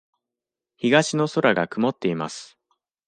東の空が曇っています。